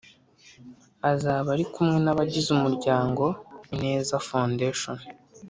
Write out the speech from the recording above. Azaba ari kumwe n’abagize umuryango ‘Ineza Foundation